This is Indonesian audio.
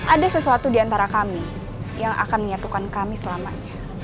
ada sesuatu di antara kami yang akan menyatukan kami selamanya